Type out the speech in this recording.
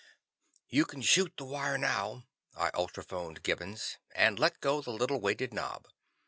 "You can shoot the wire now," I ultrophoned Gibbons, and let go the little weighted knob.